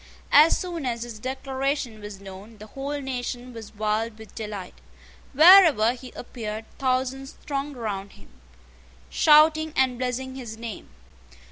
As soon as his declaration was known, the whole nation was wild with delight. Wherever he appeared thousands thronged round him, shouting and blessing his name.